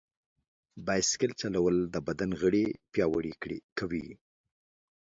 بایسکل چلول د بدن غړي پیاوړي کوي.